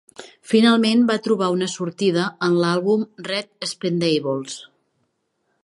Finalment va trobar una sortida en l'àlbum "Red Expendables".